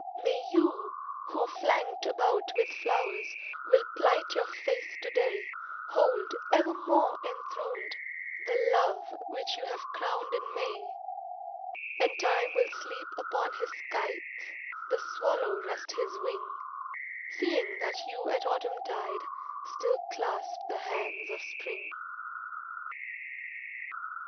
May you, who, flankt about with flowers, Will plight your faith to day, Hold, evermore enthroned, the love Which you have crowned in May; And Time will sleep upon his scythe, The swallow rest his wing, Seeing that you at autumntide Still clasp the hands of spring.